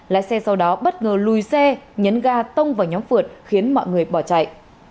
lái xe sau đó bất ngờ lùi xe nhấn ga tông vào nhóm phượt khiến mọi người bỏ chạy